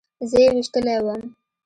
زه يې ويشتلى وم.